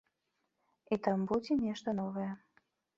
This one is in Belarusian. І там будзе нешта новае.